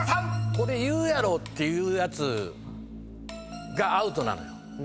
これ言うやろっていうやつがアウトなのよ。